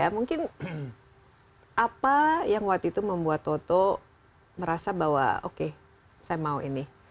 mungkin apa yang waktu itu membuat toto merasa bahwa oke saya mau ini